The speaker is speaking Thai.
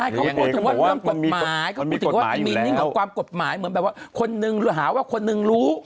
เขาถึงว่าเรื่องกฎหมายเขาถึงว่ามีนิ่งของกฎหมายเหมือนแบบว่าคนนึงหาว่าคนนึงรู้